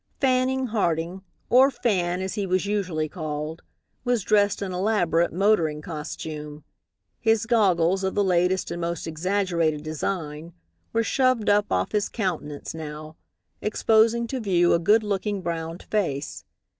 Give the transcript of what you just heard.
Fanning Harding or Fan as he was usually called was dressed in elaborate motoring costume. His goggles, of the latest and most exaggerated design, were shoved up off his countenance now, exposing to view a good looking browned face.